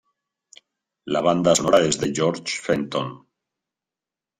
La banda sonora es de George Fenton.